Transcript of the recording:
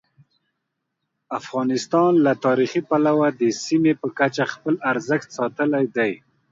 افغانستان له تاریخي پلوه د سیمې په کچه خپل ارزښت ساتلی دی.